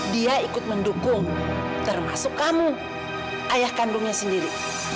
dia ikut mendukung termasuk kamu ayah kandungnya sendiri